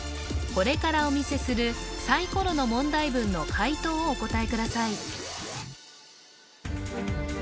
これからお見せするサイコロの問題文の解答をお答えください